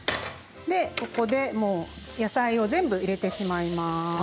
ここで野菜を全部入れてしまいます。